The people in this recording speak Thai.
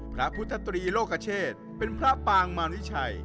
พระพุทธตรีโลกเชษเป็นพระปางมาริชัย